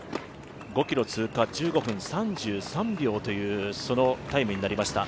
５ｋｍ通過１５分３３秒というタイムになりました。